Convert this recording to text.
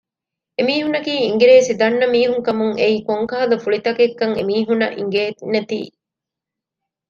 އެމީހުންނަކީ އިނގިރޭސި ދަންނަ މީހުން ކަމުން އެއީ ކޮންކަހަލަ ފުޅި ތަކެއްކަން އެމީހުންނަށް އިނގޭނެތީ